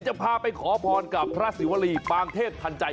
จะพาไปขอพรกับพระศิวรีปางเทพทันใจ